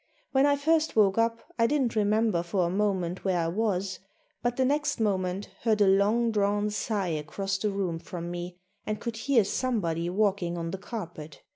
When I first woke up I didn't remember for a moment where I was, but the next moment heard a long drawn sigh across the room from me and could hear somebody walking on the carpet.